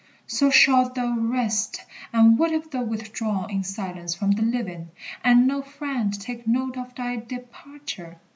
So shalt thou rest; and what if thou withdraw In silence from the living, and no friend Take note of thy departure?